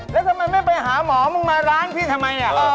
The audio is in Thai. แล้วทำไมไม่ไปหาหมอมึงมาร้านพี่ทำไม